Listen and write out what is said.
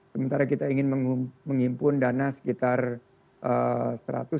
sementara kita ingin mengumpulkan dana sekitar seratus sampai satu ratus lima puluh juta us